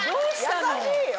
優しいよ。